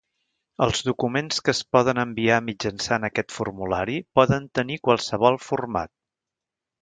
Els documents que es poden enviar mitjançant aquest formulari poden tenir qualsevol format.